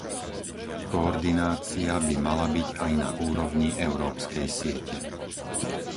Koordinácia by mala byť aj na úrovni európskej siete.